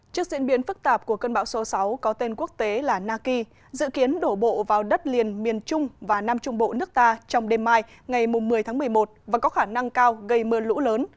trước diễn biến phức tạp của cơn bão số sáu có tên quốc tế là naki dự kiến đổ bộ vào đất liền miền trung và nam trung bộ nước ta trong đêm mai ngày một mươi tháng một mươi một và có khả năng cao gây mưa lũ lớn